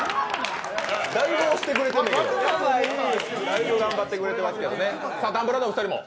だいぶ頑張ってくれてますけどね。